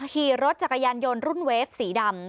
ขี่รถจักรยานยนต์รุ่นเวฟสีดำ